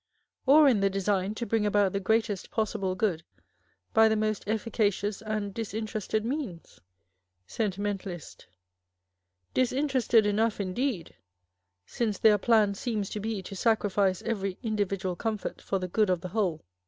Or in the design to bring about the greatest possible good by the most efficacious and disinterested means ? Sentimentalist. Disinterested enough, indeed : since their plan seems to be to sacrifice every individual comfort for the good of the whole.